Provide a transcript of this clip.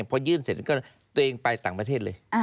พอยื่นเสร็จก็ตัวเองไปต่างประเทศเลย